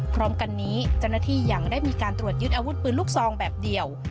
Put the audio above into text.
พร้อมกันนี้เจ้าหน้าที่ยังได้มีการตรวจยึดอาวุธปืนลูกซองแบบเดียว